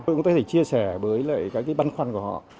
chúng tôi có thể chia sẻ với các băn khoăn của họ